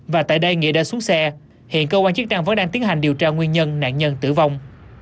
và tại đây nghị đã xuống xe hiện cơ quan chức năng vẫn đang tiến hành điều tra nguyên nhân nạn nhân tử vong